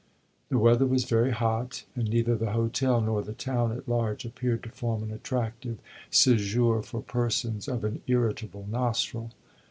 The weather was very hot, and neither the hotel nor the town at large appeared to form an attractive sejour for persons of an irritable nostril.